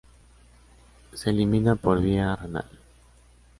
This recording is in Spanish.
Se elimina por vía renal.